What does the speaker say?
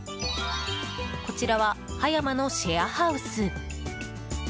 こちらは葉山のシェアハウス。